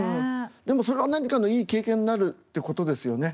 でもそれは何かのいい経験になるってことですよね。